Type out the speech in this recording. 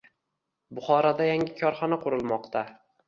Buxoroda yangi korxona qurilmoqda